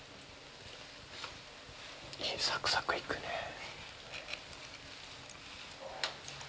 さくさく行くね。